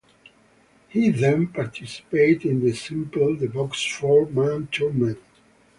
He then participated in the Simply The Boxe four man tournament.